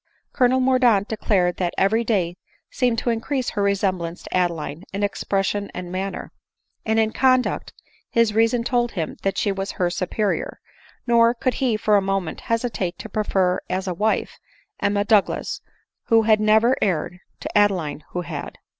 Colonel Mordaunt declared that every day seemed to increase her resembjance to Adeline in expression and manner ; and in conduct his reason told him that she wad her superior ; nor could he for a moment hesitate to prefer as a wife, Emma Douglas who had never erred, to Adeline who had.